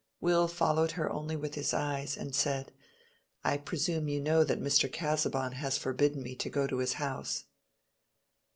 Will followed her only with his eyes and said, "I presume you know that Mr. Casaubon has forbidden me to go to his house."